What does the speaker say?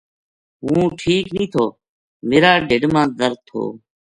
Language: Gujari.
ہوں ٹھیک نیہہ تھو میرا ڈھیڈ ما درد تھو ‘‘